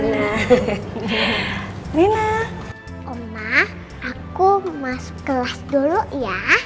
mama aku mau masuk kelas dulu ya